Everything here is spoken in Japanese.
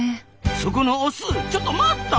そこのオスちょっと待った！